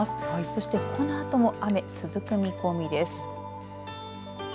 そして、このあとも雨続く見込みです。